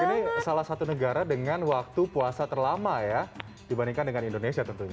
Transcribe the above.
ini salah satu negara dengan waktu puasa terlama ya dibandingkan dengan indonesia tentunya